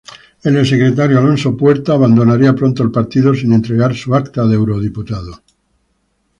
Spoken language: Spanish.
El ex-secretario Alonso Puerta abandonaría pronto el Partido sin entregar su acta de eurodiputado.